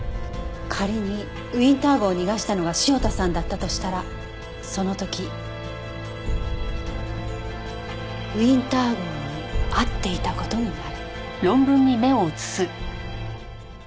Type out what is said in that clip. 仮にウィンター号を逃がしたのが潮田さんだったとしたらその時ウィンター号に会っていた事になる。